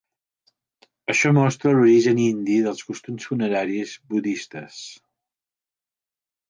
Això mostra l'origen indi dels costums funeraris budistes.